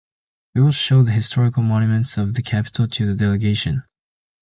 We will show the historical monuments of the capital to the delegation.